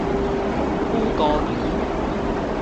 殕姑娘